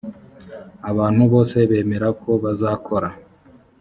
abantu bose bemera ko bazakora